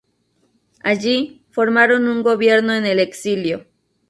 Allí, formaron un gobierno en el exilio.